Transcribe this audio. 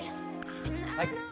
はい。